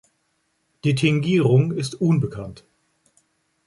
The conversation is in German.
Die Tingierung ist unbekannt.